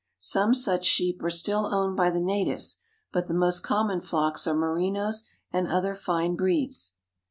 Some such sheep are still owned by the natives, but the most common flocks are merinos and other fine breeds.